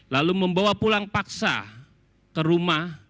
lalu membawa pulang paksa ke rumah